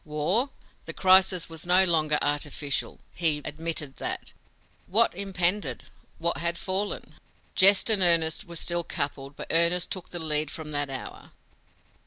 War! The crisis was no longer "artificial" he admitted that! What impended, what had fallen? Jest and earnest were still coupled, but earnest took the lead from that hour.